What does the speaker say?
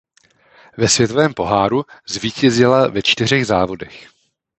Ve Světovém poháru zvítězila ve čtyřech závodech.